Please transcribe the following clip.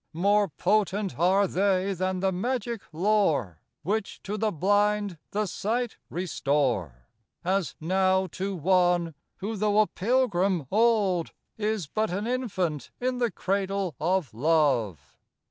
More potent are they than the magic lore Which to the blind the sight restore, As now to one, who though a pilgrim old, Is but an infant in the cradle of love.